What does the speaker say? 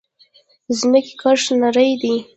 د ځمکې قشر نری دی.